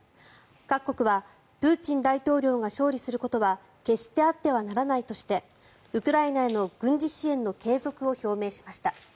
各国はプーチン大統領が勝利することは決してあってはならないとしてウクライナへの軍事支援の継続を表明しました。